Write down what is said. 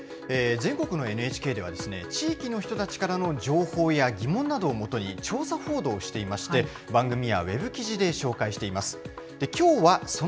全国のＮＨＫでは、地域の人たちからの情報や疑問などを基に、調査報道をしていまして、番組やウェブ記事で紹介しています。